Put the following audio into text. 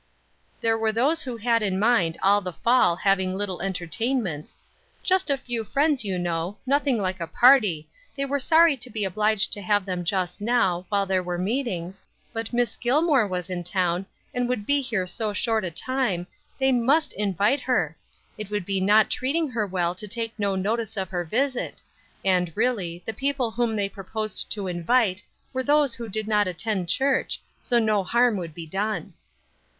There were those who had had in mind all the fall having little entertainments, "just a few friends, you know, nothing like a party; they were sorry to be obliged to have them just now while there were meetings; but Miss Gilmore was in town, and would be here so short a time, they must invite her; it would not be treating her well to take no notice of her visit; and, really, the people whom they proposed to invite were those who did not attend church, so no harm could be done."